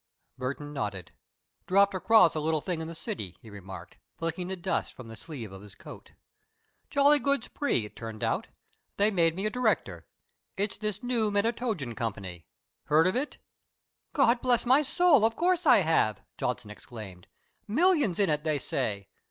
Burton nodded. "Dropped across a little thing in the city," he remarked, flicking the dust from the sleeve of his coat. "Jolly good spec it turned out. They made me a director. It's this new Menatogen Company. Heard of it?" "God bless my soul, of course I have!" Johnson exclaimed. "Millions in it, they say.